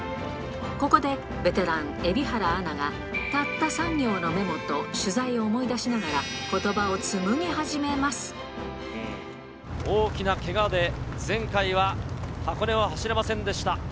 ここでベテラン、蛯原アナが、たった３行のメモと取材を思い出しながら、大きなけがで、前回は箱根は走れませんでした。